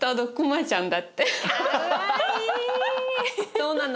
そうなの。